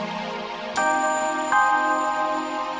seorang yang lebih baik